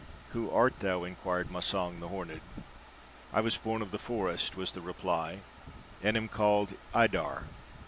'Who art thou?' inquired Massang the horned. 'I was born of the forest,' was the reply, 'and am called Iddar.